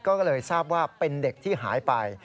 ก็เลยทราบว่าเป็นเด็กที่หายไป